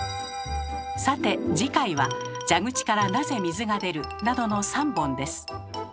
さて次回は「蛇口からなぜ水が出る？」などの３本です。